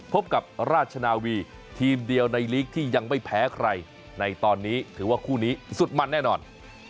พบกับราชนาวีทีมเดียวในลีกที่ยังไม่แพ้ใครในตอนนี้ถือว่าคู่นี้สุดมันแน่นอน